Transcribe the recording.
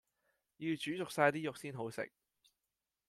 要煮熟晒啲肉先好食